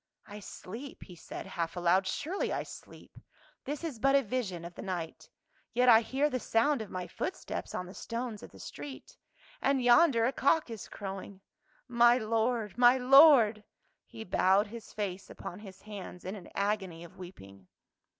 "I sleep," he said half aloud, "surely I sleep. This is but a vision of the night. Yet I hear the sound of my footsteps on the stones of the street — and yonder a cock is crowing. My Lord, my Lord !" He bowed his face upon his hands in an agony of weeping.